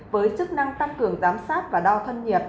với chức năng tăng cường giám sát và đo thân nhiệt